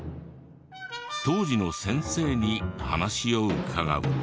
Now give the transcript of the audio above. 当時の先生に話を伺うと。